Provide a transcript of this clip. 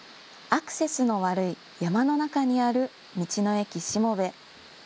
アクセスの悪い山の中にある道の駅しもべ。